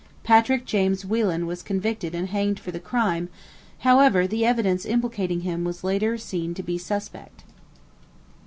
Patrick James Whelan was convicted and hanged for the crime, however the evidence implicating him was later seen to be suspect.